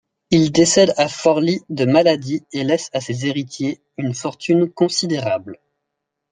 Il décède à Forlì de maladie et laisse à ses héritiers une fortune considérable.